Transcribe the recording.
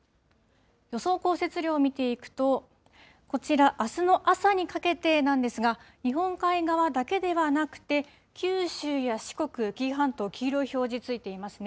予想降雪量を見ていくと、こちら、あすの朝にかけてなんですが、日本海側だけではなくて、九州や四国、紀伊半島、黄色い表示ついていますね。